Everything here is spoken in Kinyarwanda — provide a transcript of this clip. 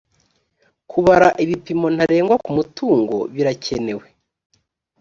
kubara ibipimo ntarengwa ku mutungo birakenewe.